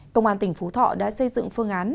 công an tỉnh phú thọ đã xây dựng phương án